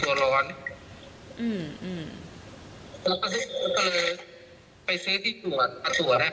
ที่ลุกเพื่อนข้างบ้านเหมือนว่ามันจะโดนผลหน่อยนึง